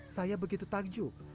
saya begitu takjub